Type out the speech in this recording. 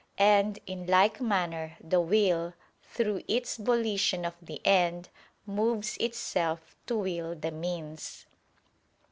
And, in like manner, the will, through its volition of the end, moves itself to will the means.